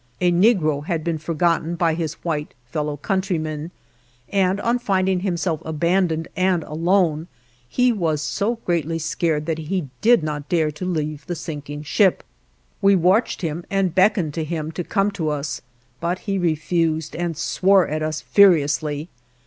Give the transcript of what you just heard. A negro had been forgotten by his white fellow countrymen, and on finding himself abandoned and alone he was so greatly scared that he did not dare to leave the sinking ship; we watched him, and beckoned to him to come to us; but he refused, and swore at us furiously.